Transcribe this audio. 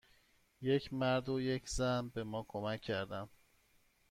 یک مرد و یک زن به ما کمک کردند.